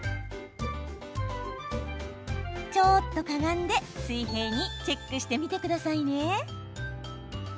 ちょっとかがんで、水平にチェックしてみてくださいね。